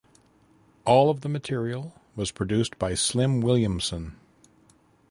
All of the material was produced by Slim Williamson.